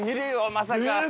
まさか。